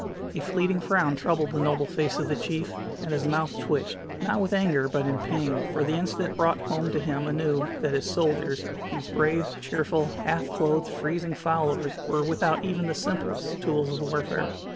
A fleeting frown troubled the noble face of the chief, and his mouth twitched, not with anger but in pain, for the incident brought home to him anew that his soldiers, these brave, cheerful, half clothed, freezing followers were without even the simplest tools of warfare.